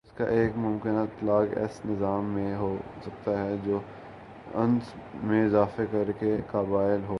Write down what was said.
اس کا ایک ممکنہ اطلاق ایس نظام میں ہو سکتا ہے جو انس میں اضافہ کر کے قابل ہو